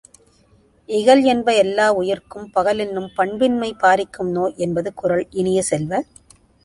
இகலென்ப வெல்லாவுயிர்க்கும் பகலென்னும் பண்பின்மை பாரிக்கும் நோய் என்பது குறள், இனிய செல்வ!